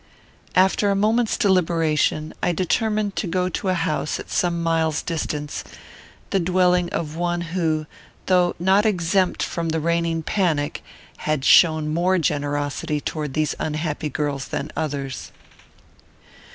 After a moment's deliberation I determined to go to a house at some miles' distance; the dwelling of one who, though not exempt from the reigning panic, had shown more generosity towards these unhappy girls than others.